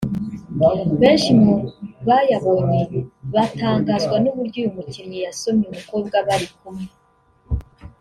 benshi mu bayabonye batangazwa n’uburyo uyu mukinnyi yasomye umukobwa bari kumwe